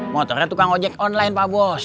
motornya tukang ojek online pak bos